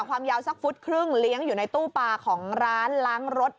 ความยาวสักฟุตครึ่งเลี้ยงอยู่ในตู้ปลาของร้านล้างรถ